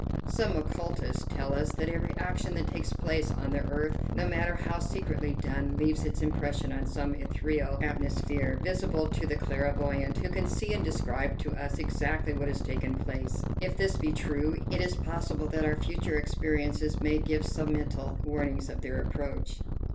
Some occultists tell us that every action that takes place on the earth, no matter how secretly done, leaves its impression on some ethereal atmosphere, visible to a clairvoyant, who can see and describe to us exactly what has taken place. If this be true, it is possible that our future experiences may give sub mental warnings of their approach.